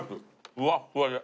ふわっふわで。